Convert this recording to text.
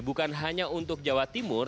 bukan hanya untuk jawa timur